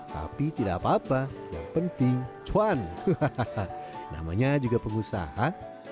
tapi tidak apa apa yang penting cuan namanya juga pengusaha